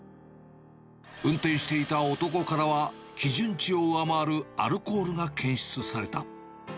運転していた男からは、基準値を上回るアルコールが検出された。